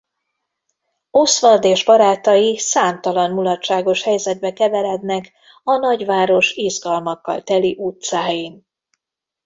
Oswald és barátai számtalan mulatságos helyzetbe keverednek a nagyváros izgalmakkal teli utcáin.